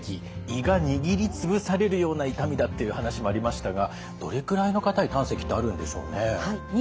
胃が握りつぶされるような痛みだという話もありましたがどれくらいの方に胆石ってあるんでしょうね？